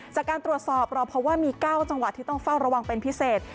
จากการตรวจสอบเราพบว่ามี๙จังหวัดที่ต้องเฝ้าระวังเป็นพิเศษ